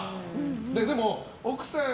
でも奥さん。